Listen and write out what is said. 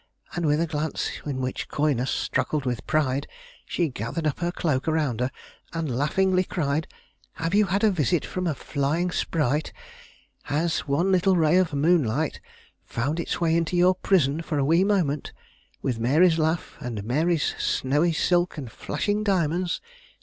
And with a glance in which coyness struggled with pride, she gathered up her cloak around her, and laughingly cried: "Have you had a visit from a flying sprite? Has one little ray of moonlight found its way into your prison for a wee moment, with Mary's laugh and Mary's snowy silk and flashing diamonds?